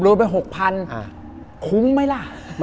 โดนไป๖๐๐๐บาทคุ้มไหมล่ะ